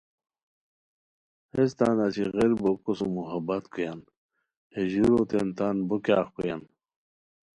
ہیس تان اچی غیر بوکو سوم محبت کویان ہے ژوروتین تان بوکیاغ کویان،